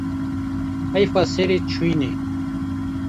Heyfa serê çûyînê